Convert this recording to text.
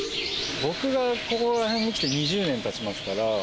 僕がここら辺に来て２０年たちますから。